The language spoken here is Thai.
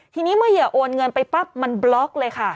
ทีนี้เมื่อเหยื่อโอนเงินไปปั๊บมันบล็อกเลยค่ะ